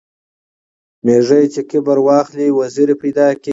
ـ ميږى چې کبر واخلي وزرې پېدا کوي.